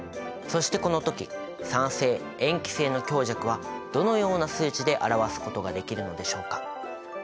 そしてこの時酸性塩基性の強弱はどのような数値で表すことができるのでしょうか。